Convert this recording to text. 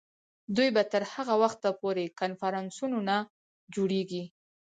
دوی به تر هغه وخته پورې کنفرانسونه جوړوي.